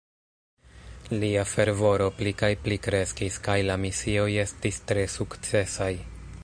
Lia fervoro pli kaj pli kreskis kaj la misioj estis tre sukcesaj.